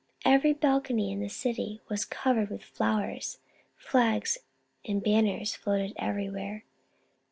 Every balcony in the city was covered with flowers ; flags and banners floated everywhere.